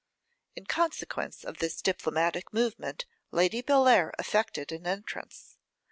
In consequence of this diplomatic movement Lady Bellair effected an entrance.